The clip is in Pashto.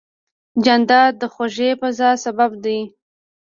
جانداد د خوږې فضا سبب دی.